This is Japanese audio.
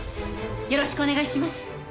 よろしくお願いします！